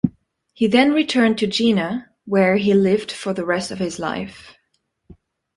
He then returned to Jena where he lived for the rest of his life.